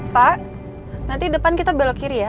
pak nanti depan kita belok kiri ya